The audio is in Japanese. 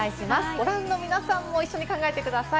ご覧の皆さんも一緒に考えてください。